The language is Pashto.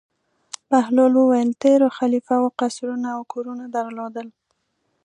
بهلول وویل: تېرو خلیفه وو قصرونه او کورونه درلودل.